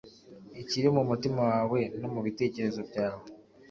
ikiri mu mutima wawe no mu bitekerezo byawe